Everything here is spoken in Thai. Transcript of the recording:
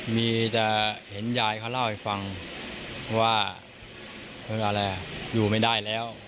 มีแต่เห็นยายเขาเล่าให้ฟังว่าอะไรอยู่ไม่ได้แล้ว